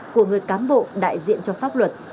của người cám bộ đại diện cho pháp luật